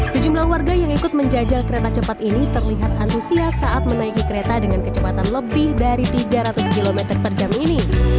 sejumlah warga yang ikut menjajal kereta cepat ini terlihat antusias saat menaiki kereta dengan kecepatan lebih dari tiga ratus km per jam ini